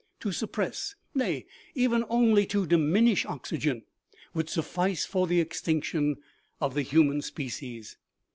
To suppress, nay, even only to diminish oxygen, would suffice for the extinction of the human species.